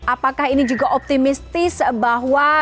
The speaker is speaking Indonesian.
apakah ini juga optimistis bahwa